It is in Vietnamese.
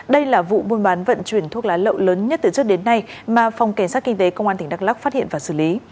đây là vụ buôn bán vận chuyển thuốc lá lậu lớn nhất từ trước đến nay mà phòng cảnh sát kinh tế công an tỉnh đắk lắc phát hiện và xử lý